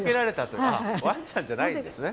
ワンちゃんじゃないんですね。